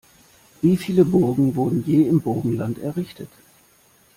Wie viele Burgen wurden je im Burgenland errichtet?